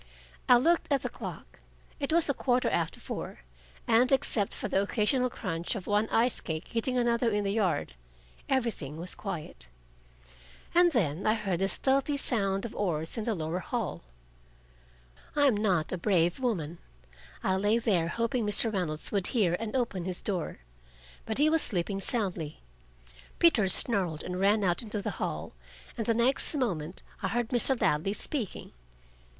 I looked at the clock. It was a quarter after four, and except for the occasional crunch of one ice cake hitting another in the yard, everything was quiet. And then I heard the stealthy sound of oars in the lower hall. I am not a brave woman. I lay there, hoping Mr. Reynolds would hear and open his door. But he was sleeping soundly. Peter snarled and ran out into the hall, and the next moment I heard Mr. Ladley speaking.